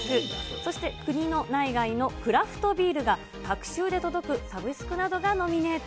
そして国の内外のクラフトビールが隔週で届くサブスクなどがノミネート。